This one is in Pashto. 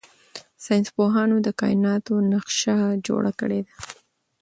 ساینس پوهانو د کائناتو نقشه جوړه کړې ده.